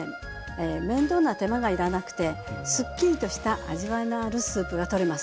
面倒な手間がいらなくてすっきりとした味わいのあるスープがとれます。